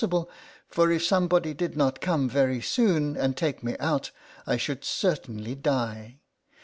sible; for if somebody did not come very soon, and take me out, I should certainly die.